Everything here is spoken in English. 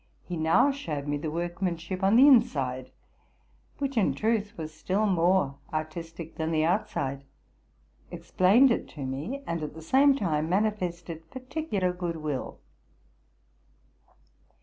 He now showed me the workmanship on the inside, which in truth was still more artistic than the outside, explained it to me, and at the same time manifested particular good will.